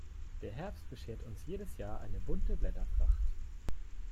Der Herbst beschert uns jedes Jahr eine bunte Blätterpracht.